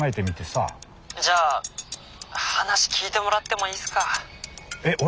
じゃあ話聞いてもらってもいいっすか？えっ俺？